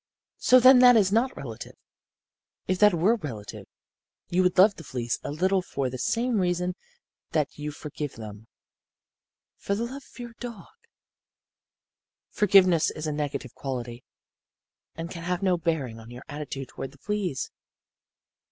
So then that is not relative. If that were relative you would love the fleas a little for the same reason that you forgive them: for love of your dog. Forgiveness is a negative quality and can have no bearing on your attitude toward the fleas."